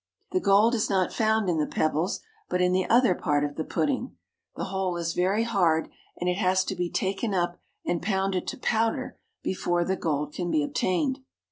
The gold is not found in the pebbles, but in the other part of the pudding. The whole is very hard and it has to be taken up and pounded to powder before the gold can be obtained.